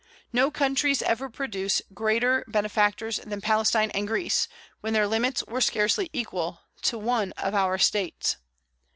No countries ever produced greater benefactors than Palestine and Greece, when their limits were scarcely equal to one of our States.